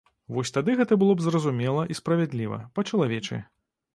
Вось тады гэта было б зразумела і справядліва, па-чалавечы.